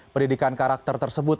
pendidikan karakter tersebut